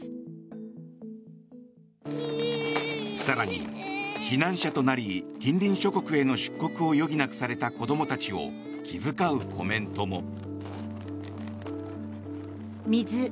更に避難者となり近隣諸国への出国を余儀なくされた子どもたちを気遣うコメントも。